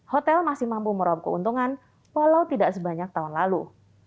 hotel masih mampu merob keuntungan walau tidak sebanyak tahun lalu